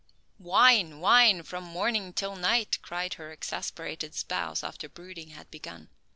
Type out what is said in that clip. "Whine, whine from morning till night!" cried her exasperated spouse after brooding had begun.